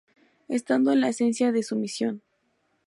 Estando en la esencia de su misión.